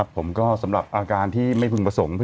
สำหรับอาการที่ไม่พึงประสงค์